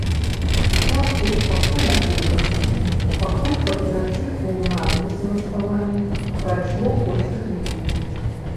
Хлапчук пакуль агледзеўся, пакуль паперачытваў надпісы над сталамі, прайшло колькі хвілін.